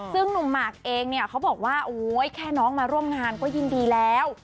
ซึ่งหนุ่มหมากเองเนี่ยเขาบอกว่าโอ๊ยแค่น้องมาร่วมงานก็ยินดีแล้ว